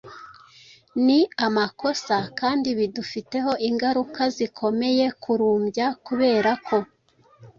ni amakosa kandi bidufiteho ingaruka zikomeye. Kurumbya kubera ko